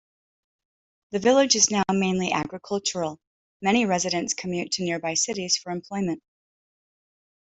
The village is now mainly agricultural; many residents commute to nearby cities for employment.